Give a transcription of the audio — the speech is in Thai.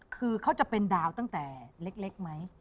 คือเขาจะเป็นดาวตั้งแต่เล็กไหม